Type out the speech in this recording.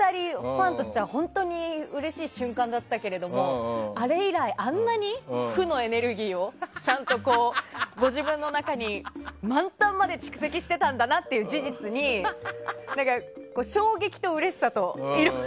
ファンとしては、本当にうれしい瞬間だったけれどもあれ以来、あんなに負のエネルギーをちゃんとご自分の中に満タンまで蓄積していたんだなという事実に衝撃とうれしさと。